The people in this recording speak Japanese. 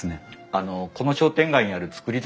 あのこの商店街にある造り